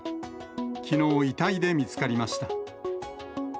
きのう、遺体で見つかりました。